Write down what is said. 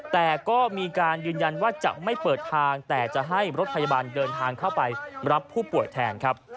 แต่ก็มีการยืนยันว่าจะไม่เปิดทางแต่จะให้รถพยาบาลเดินทางเข้าไปรับผู้ป่วยแทนครับ